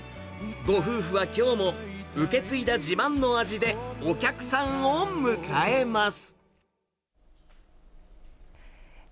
ご夫婦はきょうも受け継いだ自慢の味でお客さんを迎えます。